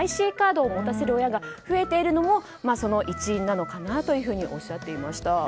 ＩＣカードを持たせる親が増えているのもその一因なのかなとおっしゃっていました。